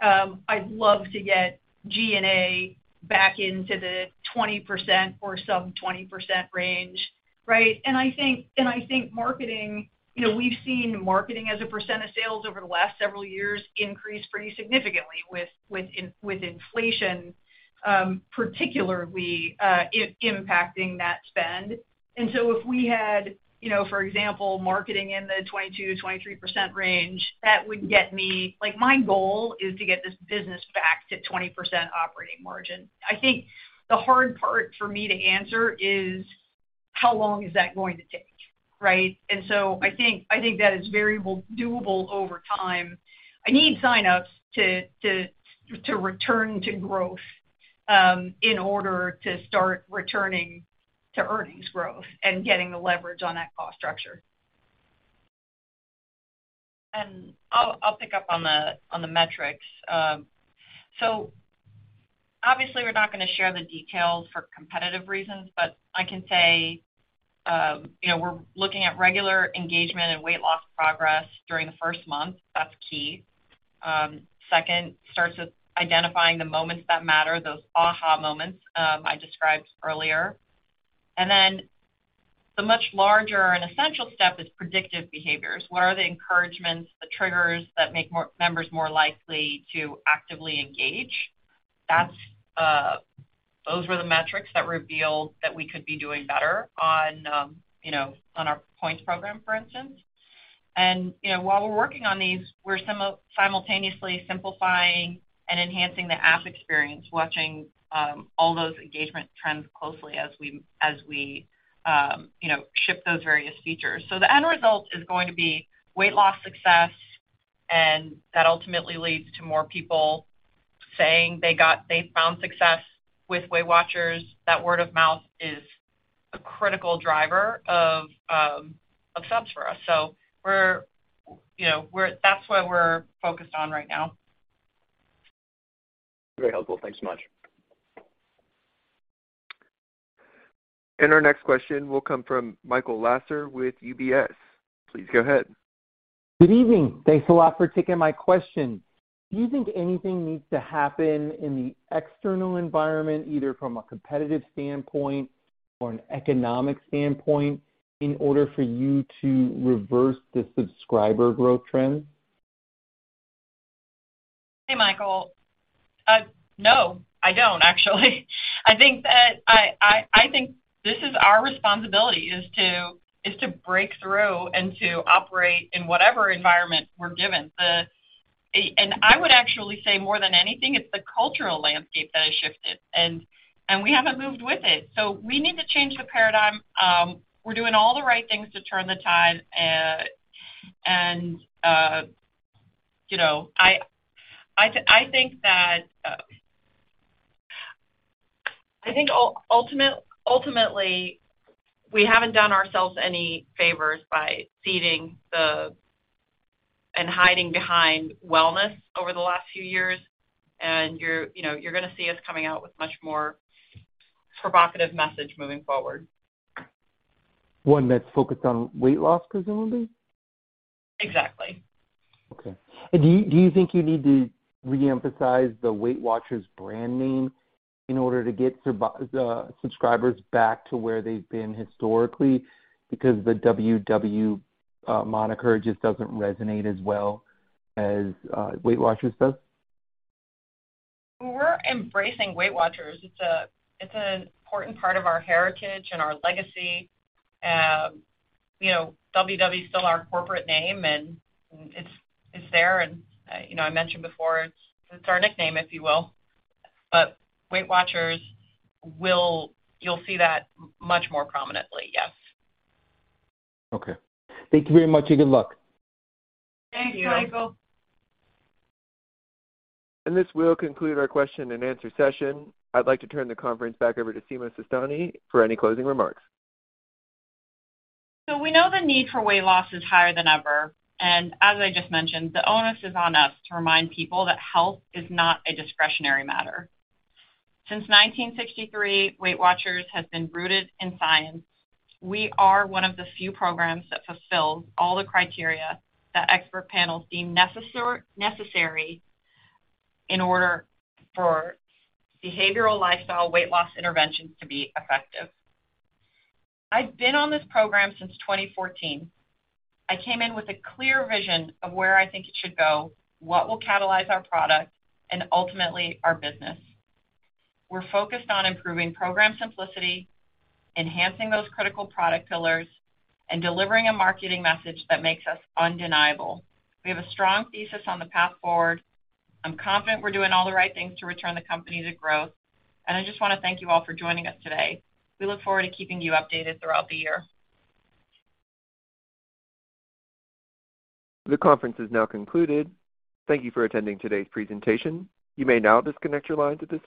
I'd love to get G&A back into the 20% or sub-20% range, right? I think marketing, you know, we've seen marketing as a percent of sales over the last several years increase pretty significantly with inflation, particularly impacting that spend. If we had, you know, for example, marketing in the 22%-23% range, that would get me... Like, my goal is to get this business back to 20% operating margin. I think the hard part for me to answer is how long is that going to take, right? I think that is variable, doable over time. I need signups to return to growth, in order to start returning to earnings growth and getting the leverage on that cost structure. I'll pick up on the metrics. Obviously we're not gonna share the details for competitive reasons, but I can say, you know, we're looking at regular engagement and weight loss progress during the first month. That's key. Second starts with identifying the moments that matter, those aha moments, I described earlier. Then the much larger and essential step is predictive behaviors. What are the encouragements, the triggers that make more members more likely to actively engage? That's those were the metrics that revealed that we could be doing better on, you know, on our points program, for instance. You know, while we're working on these, we're simultaneously simplifying and enhancing the app experience, watching all those engagement trends closely as we, you know, ship those various features. The end result is going to be weight loss success, and that ultimately leads to more people saying they found success with Weight Watchers. That word of mouth is a critical driver of subs for us. We're, you know, that's what we're focused on right now. Very helpful. Thanks so much. Our next question will come from Michael Lasser with UBS. Please go ahead. Good evening. Thanks a lot for taking my question. Do you think anything needs to happen in the external environment, either from a competitive standpoint or an economic standpoint, in order for you to reverse the subscriber growth trend? Hey, Michael. No, I don't actually. I think this is our responsibility to break through and to operate in whatever environment we're given. I would actually say more than anything, it's the cultural landscape that has shifted and we haven't moved with it. We need to change the paradigm. We're doing all the right things to turn the tide. You know, I think ultimately, we haven't done ourselves any favors by ceding and hiding behind wellness over the last few years, and you know, you're gonna see us coming out with much more provocative message moving forward. One that's focused on weight loss, presumably? Exactly. Okay. Do you think you need to reemphasize the Weight Watchers brand name in order to get subscribers back to where they've been historically because the WW moniker just doesn't resonate as well as Weight Watchers does? We're embracing Weight Watchers. It's an important part of our heritage and our legacy. You know, WW is still our corporate name, and it's there, and you know, I mentioned before, it's our nickname, if you will. You'll see that much more prominently, yes. Okay. Thank you very much, and good luck. Thank you. Thanks, Michael. This will conclude our question-and-answer session. I'd like to turn the conference back over to Sima Sistani for any closing remarks. We know the need for weight loss is higher than ever, and as I just mentioned, the onus is on us to remind people that health is not a discretionary matter. Since 1963, Weight Watchers has been rooted in science. We are one of the few programs that fulfills all the criteria that expert panels deem necessary in order for behavioral lifestyle weight loss interventions to be effective. I've been on this program since 2014. I came in with a clear vision of where I think it should go, what will catalyze our product, and ultimately our business. We're focused on improving program simplicity, enhancing those critical product pillars, and delivering a marketing message that makes us undeniable. We have a strong thesis on the path forward. I'm confident we're doing all the right things to return the company to growth, and I just wanna thank you all for joining us today. We look forward to keeping you updated throughout the year. The conference is now concluded. Thank you for attending today's presentation. You may now disconnect your lines at this time.